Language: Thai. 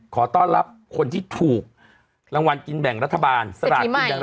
ขอต้อนรับคนที่ถูกรางวัลกินแบ่งรัฐบาล